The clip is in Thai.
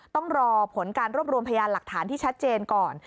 ต้องรอผลการรวบรวมพยานหลักฐานที่ชัดเจนก่อน